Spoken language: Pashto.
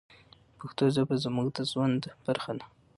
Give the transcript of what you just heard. پښتو ژبه زموږ د ژوند برخه ده.